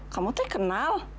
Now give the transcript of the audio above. kamu teh kenal